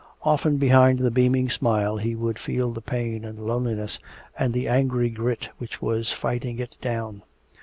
Often behind the beaming smile he would feel the pain and loneliness, and the angry grit which was fighting it down.